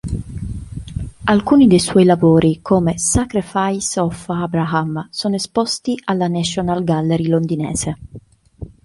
Alcuni dei suoi lavori, come "Sacrifice of Abraham", sono esposti alla National Gallery Londinese.